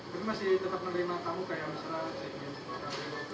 tapi masih tetap menerima kamu kayak misalnya